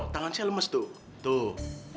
tangan saya lemes tuh